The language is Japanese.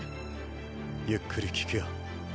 ゆっくり聞くよ。